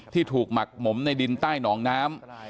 ถูกหมักหมมในดินใต้หนองน้ำ